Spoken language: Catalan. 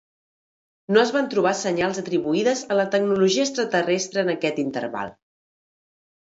No es van trobar senyals atribuïbles a la tecnologia extraterrestre en aquest interval.